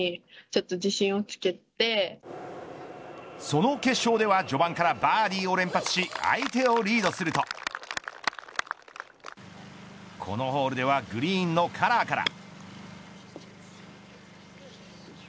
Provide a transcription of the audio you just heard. その決勝では序盤からバーディーを連発し相手をリードするとこのホールではグリーンのカラーから。